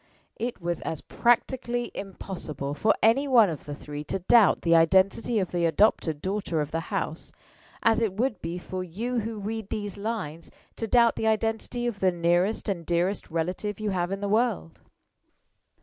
It was as practically impossible for any one of the three to doubt the identity of the adopted daughter of the house as it would be for you who read these lines to doubt the identity of the nearest and dearest relative you have in the world.